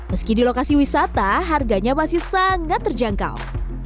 meski di lokasi wisata harganya masih sangat terjangkau